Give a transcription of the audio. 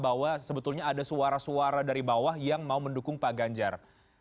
bahwa sebetulnya ada suara suara dari bawah yang mau mendukung pak ganjar